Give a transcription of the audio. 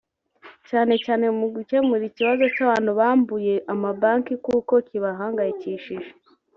cyane cyane mu gukemura ikibazo cyabantu bambuye ama Banki kuko kibahangayikishije